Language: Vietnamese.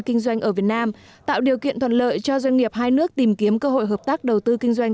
kinh doanh ở việt nam tạo điều kiện thuận lợi cho doanh nghiệp hai nước tìm kiếm cơ hội hợp tác đầu tư kinh doanh